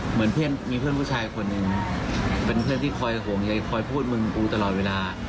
เหมือนเพื่อนมีเพื่อนผู้ชายคนหนึ่งเป็นเพื่อนที่คอยห่วงใยคอยพูดมึงกูตลอดเวลา